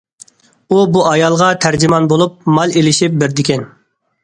ئۇ بۇ ئايالغا تەرجىمان بولۇپ مال ئېلىشىپ بېرىدىكەن.